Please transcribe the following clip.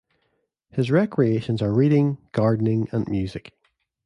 His recreations are reading, gardening and music.